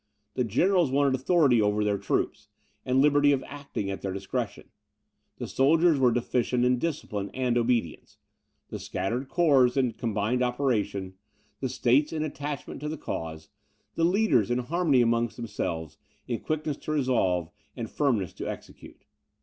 The generals wanted authority over their troops, and liberty of acting at their discretion; the soldiers were deficient in discipline and obedience; the scattered corps in combined operation; the states in attachment to the cause; the leaders in harmony among themselves, in quickness to resolve, and firmness to execute.